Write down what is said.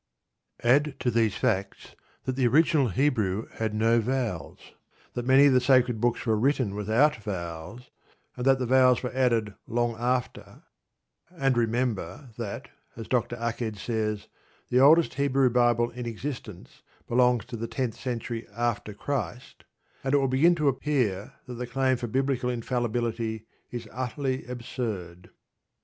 Add to these facts that the original Hebrew had no vowels, that many of the sacred books were written without vowels, and that the vowels were added long after; and remember that, as Dr. Aked says, the oldest Hebrew Bible in existence belongs to the tenth century after Christ, and it will begin to appear that the claim for biblical infallibility is utterly absurd.